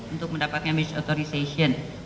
untuk mendapatkan medis autorisasi